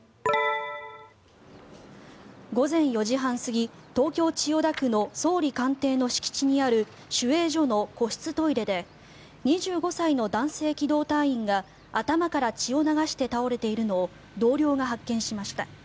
午前４時半過ぎ東京・千代田区の総理官邸の敷地にある守衛所の個室トイレで２５歳の男性機動隊員が頭から血を流して倒れているのを同僚が発見しました。